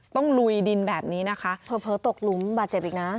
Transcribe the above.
ลุยดินแบบนี้นะคะเผลอตกหลุมบาดเจ็บอีกนะ